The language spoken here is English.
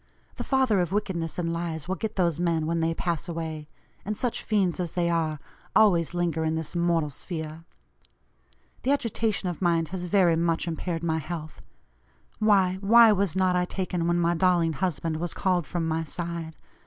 The father of wickedness and lies will get those men when they 'pass away;' and such fiends as they are, always linger in this mortal sphere. The agitation of mind has very much impaired my health. Why, why was not I taken when my darling husband was called from my side?